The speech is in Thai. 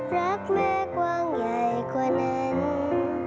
รักแม่กว้างใหญ่กว่านั้น